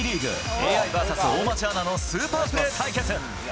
ＡＩｖｓ大町アナのスーパープレー対決。